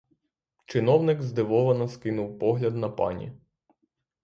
Чиновник здивовано скинув погляд на пані.